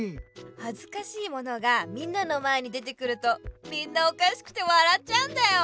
はずかしいものがみんなの前に出てくるとみんなおかしくて笑っちゃうんだよ。